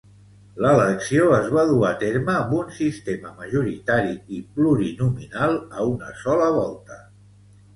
L'elecció es va dur a terme amb un sistema majoritari plurinominal a una sola volta.